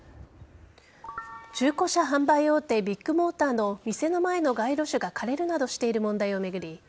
中古車販売大手ビッグモーターの店の前の街路樹が枯れるなどしている問題を巡り